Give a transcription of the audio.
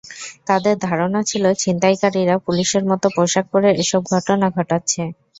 তাঁদের ধারণা ছিল, ছিনতাইকারীরা পুলিশের মতো পোশাক পরে এসব ঘটনা ঘটাচ্ছে।